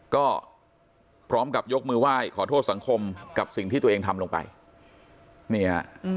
ก็พร้อมกับยกมือไหว้ขอโทษสังคมกับสิ่งที่ตัวเองทำลงไปนี่ฮะ